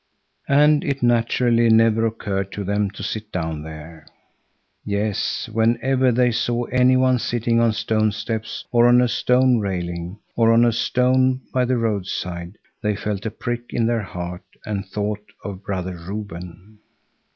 And it naturally never occurred to them to sit down there. Yes, whenever they saw any one sitting on stone steps, or on a stone railing, or on a stone by the roadside, they felt a prick in their heart and thought of Brother Reuben.